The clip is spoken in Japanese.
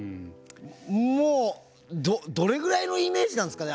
もうどれぐらいのイメージなんですかね？